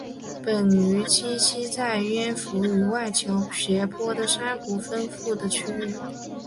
本鱼栖息在舄湖与外礁斜坡的珊瑚丰富的区域。